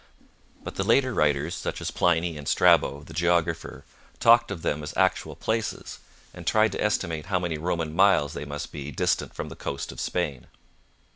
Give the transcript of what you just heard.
But the later writers, such as Pliny, and Strabo, the geographer, talked of them as actual places, and tried to estimate how many Roman miles they must be distant from the coast of Spain.